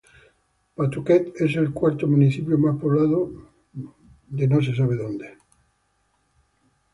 Pawtucket es el cuarto municipio más poblado de Rhode Island.